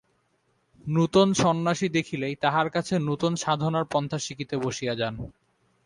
নূতন সন্ন্যাসী দেখিলেই তাহার কাছে নূতন সাধনার পন্থা শিখিতে বসিয়া যান।